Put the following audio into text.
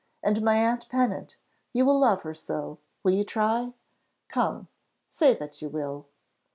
And my aunt Pennant, you will love her so! Will you try? Come! say that you will."